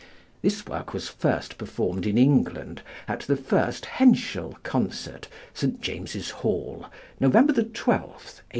This work was first performed in England at the first Henschel concert, St James's Hall, November 12, 1896.